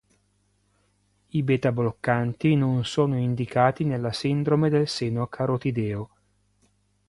I beta bloccanti non sono indicati nella sindrome del seno carotideo.